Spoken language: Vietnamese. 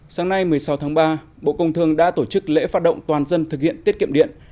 sáng nay một mươi sáu tháng ba bộ công thương đã tổ chức lễ phát động toàn dân thực hiện tiết kiệm điện